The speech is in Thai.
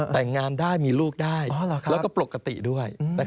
แต่งงานได้มีลูกได้แล้วก็ปกติด้วย